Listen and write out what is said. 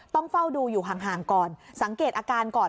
ต้องเฝ้าดูอยู่ห่างก่อนสังเกตอาการก่อน